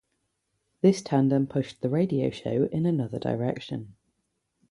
This tandem pushed the radio show in another direction.